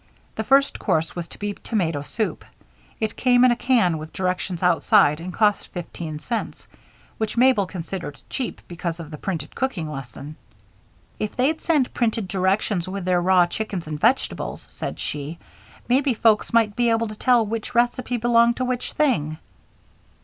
The first course was to be tomato soup; it came in a can with directions outside and cost fifteen cents, which Mabel considered cheap because of the printed cooking lesson. "If they'd send printed directions with their raw chickens and vegetables," said she, "maybe folks might be able to tell which recipe belonged to which thing."